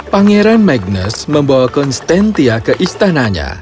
pangeran magnes membawa konstantia ke istananya